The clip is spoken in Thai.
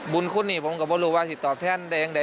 บุญคุณนี่ผมก็รู้ว่าสิตอบแทนได้อย่างไร